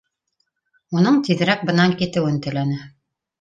Уның тиҙерәк бынан китеүен теләне